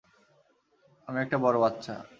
আমি একটা বড় বাচ্চা।